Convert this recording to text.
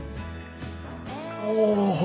お！